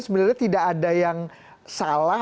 sebenarnya tidak ada yang salah